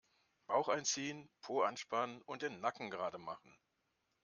Bauch einziehen, Po anspannen und den Nacken gerade machen.